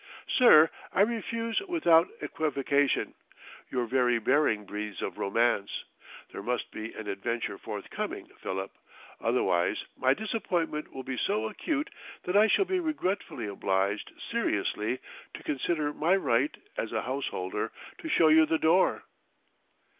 Sir, I refuse without equivocation. Your very bearing breathes of Romance. There must be an adventure forthcoming, Philip; otherwise my disappointment will be so acute that I shall be regretfully obliged seriously to consider my right, as a householder, to show you the door."